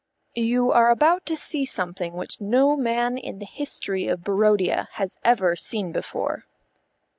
"You are about to see something which no man in the history of Barodia has ever seen before."